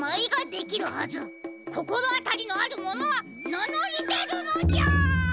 こころあたりのあるものはなのりでるのじゃ！